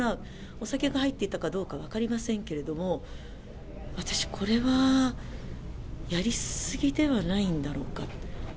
お酒が入っていたかどうか分かりませんけれども、私、これはやり過ぎではないんだろうかと。